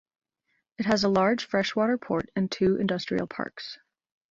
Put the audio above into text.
It has a large freshwater port and two industrial parks.